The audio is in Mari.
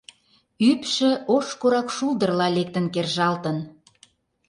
Ӱпшӧ ош корак шулдырла лектын кержалтын.